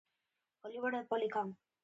[unintelligible] e polican.